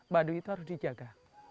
baduy itu harus dijaga